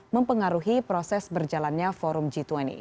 mempengaruhi proses berjalannya forum g dua puluh